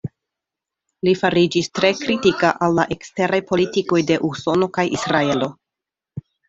Li fariĝis tre kritika al la eksteraj politikoj de Usono kaj Israelo.